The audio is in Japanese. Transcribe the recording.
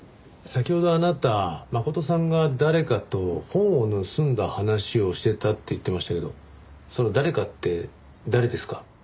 先ほどあなた真琴さんが誰かと本を盗んだ話をしていたって言ってましたけどその誰かって誰ですか？